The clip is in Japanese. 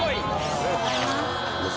ありがとうございます。